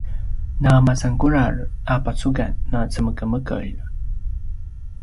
na masan kudral a pacugan na cemekemekelj